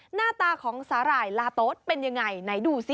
หน้าตาของสาหร่ายลาโต๊ดเป็นยังไงไหนดูสิ